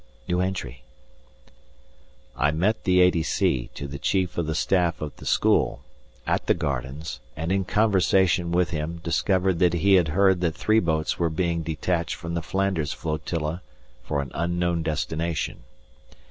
I met the A.D.C. to the Chief of the Staff at the school, at the gardens, and in conversation with him discovered that he had heard that three boats were being detached from the Flanders flotilla for an unknown destination.